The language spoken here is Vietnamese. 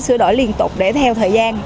sửa đổi liên tục để theo thời gian